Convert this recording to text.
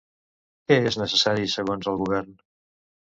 Què és necessari segons el govern?